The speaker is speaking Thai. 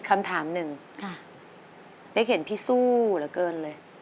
คำถามหนึ่งเป๊กเห็นพี่สู้เหลือเกินเลย